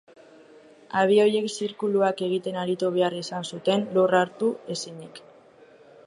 Abioiek zirkuluak egiten aritu behar izan zuten lur hartu ezinik.